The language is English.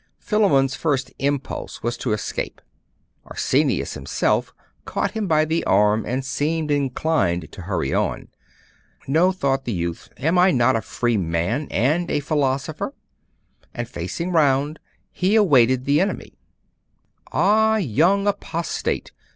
Philammon's first impulse was to escape; Arsenius himself caught him by the arm, and seemed inclined to hurry on. 'No!' thought the youth, 'am I not a free man, and a philosopher?' and facing round, he awaited the enemy. 'Ah, young apostate!